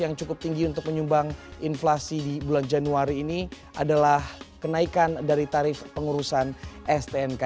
yang cukup tinggi untuk menyumbang inflasi di bulan januari ini adalah kenaikan dari tarif pengurusan stnk